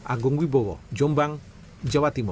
agung wibowo jombang jawa timur